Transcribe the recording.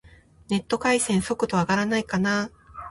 ネット回線、速度上がらないかな